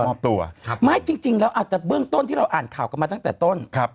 หมายจริงแล้วอาจจะเบื้องต้นที่เราอ่านข่าวกันมาตั้งแต่ต้น